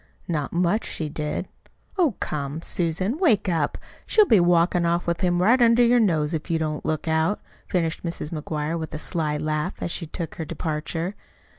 Not much she did! Oh, come, Susan, wake up! She'll be walkin' off with him right under your nose if you don't look out," finished Mrs. McGuire with a sly laugh, as she took her departure.